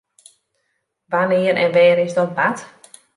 Wannear en wêr is dat bard?